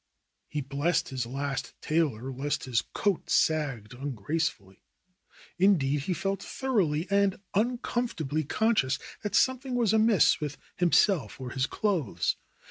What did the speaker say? He blessed his last tailor lest his coat sagged ungracefully. Indeed, he felt thoroughly and uncomfortably conscious that something was amiss with himself or his clothes.